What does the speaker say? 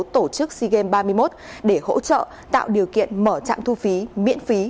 tổ chức seagame ba mươi một để hỗ trợ tạo điều kiện mở trạm thu phí miễn phí